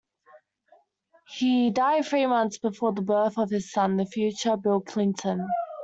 He died three months before the birth of his son, the future Bill Clinton.